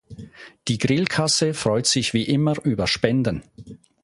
Die Grillkasse freut sich wie immer über Spenden.